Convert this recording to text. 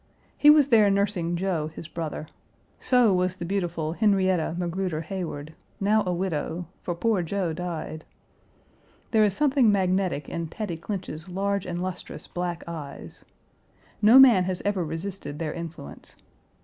He was there nursing Joe, his brother. So was the beautiful Henrietta Magruder Heyward, now a widow, for poor Joe died. There is something magnetic in Tatty Clinch's large and lustrous black eyes. No man has ever resisted their influence.